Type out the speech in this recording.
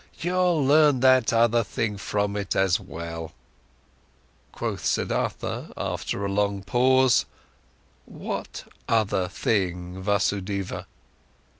You'll learn that other thing from it as well." Quoth Siddhartha after a long pause: "What other thing, Vasudeva?"